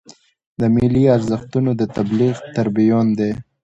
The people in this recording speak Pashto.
د ملي ارزښتونو د تبلیغ تربیون دی.